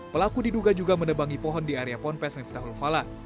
pelaku diduga juga menebangi pohon di area pohon pes miftahul fala